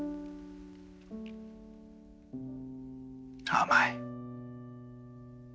甘い。